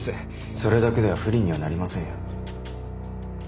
それだけでは不利にはなりませんよ。